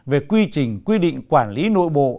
về quy trình quy định quản lý nội bộ